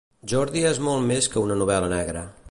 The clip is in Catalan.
Jordi és molt més que una novel·la negra.